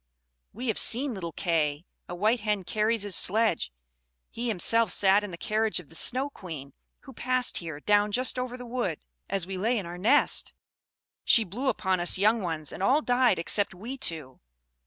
We have seen little Kay! A white hen carries his sledge; he himself sat in the carriage of the Snow Queen, who passed here, down just over the wood, as we lay in our nest. She blew upon us young ones; and all died except we two.